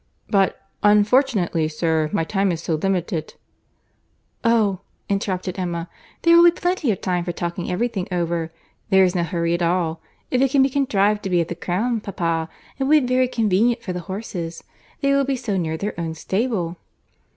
"But, unfortunately, sir, my time is so limited—" "Oh!" interrupted Emma, "there will be plenty of time for talking every thing over. There is no hurry at all. If it can be contrived to be at the Crown, papa, it will be very convenient for the horses. They will be so near their own stable."